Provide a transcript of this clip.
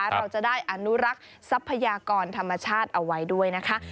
เราจะได้อนุรักษ์ทรัพยากรธรรมชาติเอาไว้ด้วยนะคะ